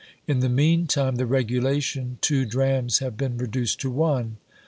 "In the meantime the regulation two drams have been reduced to one.